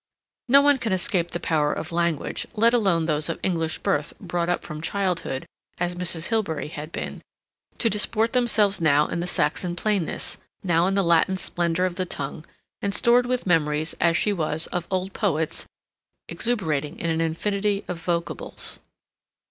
No one can escape the power of language, let alone those of English birth brought up from childhood, as Mrs. Hilbery had been, to disport themselves now in the Saxon plainness, now in the Latin splendor of the tongue, and stored with memories, as she was, of old poets exuberating in an infinity of vocables.